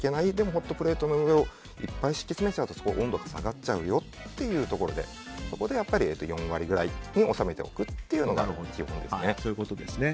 ホットプレートの上にいっぱい敷き詰めちゃうと温度が下がっちゃうよというのでそこで４割ぐらいに収めておくのが基本ですね。